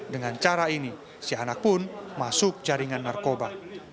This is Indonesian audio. dengan cara ini si anak pun masuk jaringan narkoba